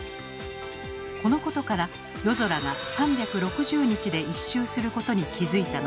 このことから夜空が３６０日で１周することに気付いたのです。